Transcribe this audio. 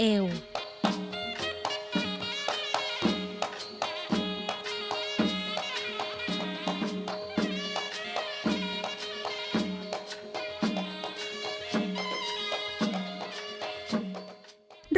แล้วมีหอพอกพับด้วยผ้าชดหน้าขนาดเล็กขมวดเป็นปมสองทางผูกไว้ข้างเสี่ยว